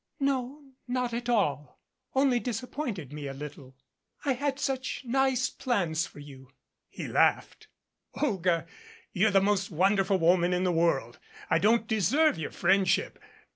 "No. Not at all only disappointed me a little. I had such nice plans for you." 72 OLGA TCHERNY He laughed. "Olga, you're the most wonderful woman in the world. I don't deserve your friendship.